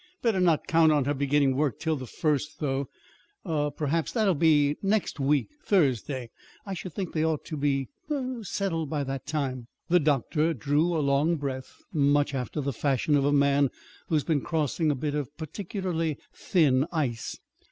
Better not count on her beginning work till the first, though, perhaps. That'll be next week Thursday. I should think they ought to be er settled by that time." The doctor drew a long breath, much after the fashion of a man who has been crossing a bit of particularly thin ice.